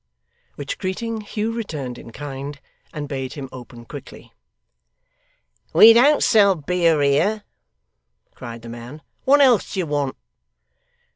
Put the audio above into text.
which greeting Hugh returned in kind, and bade him open quickly. 'We don't sell beer here,' cried the man; 'what else do you want?